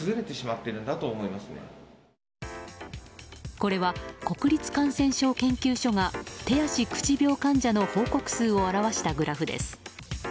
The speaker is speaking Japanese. これは、国立感染症研究所が手足口病患者の報告数を現したグラフです。